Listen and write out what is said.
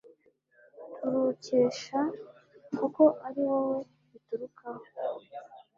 turukesha, kuko ari wowe biturukaho